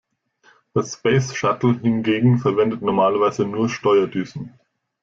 Das Space Shuttle hingegen verwendet normalerweise nur Steuerdüsen.